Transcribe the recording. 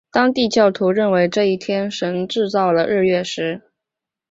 当地教徒认为这一天神制造了日月食。